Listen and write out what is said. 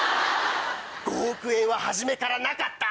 ５億円は初めからなかった。